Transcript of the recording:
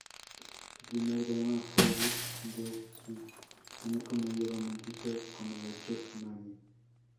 Su primer drama fue "Witch Yoo Hee", una comedia romántica, como la Chef Marie.